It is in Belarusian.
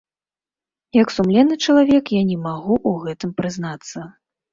Як сумленны чалавек я не магу ў гэтым прызнацца.